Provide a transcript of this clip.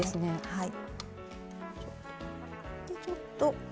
はい。